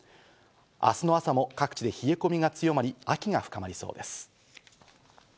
明日の朝も各地で冷え込みが強まり、秋が深まりそうです。